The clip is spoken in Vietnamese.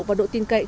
và độ tiêu dịch vụ